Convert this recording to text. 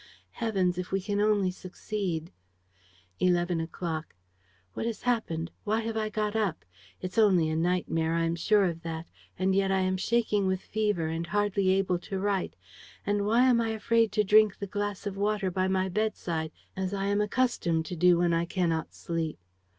Heavens, if we can only succeed! ... "Eleven o'clock. "What has happened? Why have I got up? It's only a nightmare. I am sure of that; and yet I am shaking with fever and hardly able to write. ... And why am I afraid to drink the glass of water by my bedside, as I am accustomed to do when I cannot sleep?